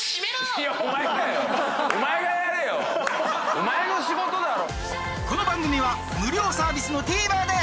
お前の仕事だろ！